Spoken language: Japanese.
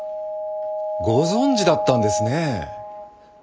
ご存じだったんですね。